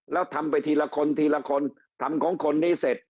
แล้วทำไปทีละคนทีละคนทำของคนนี้เสร็จ